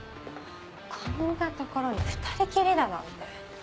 こんな所に２人きりだなんて。